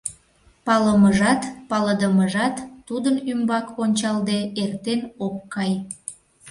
Палымыжат, палыдымыжат тудын ӱмбак ончалде эртен ок кай.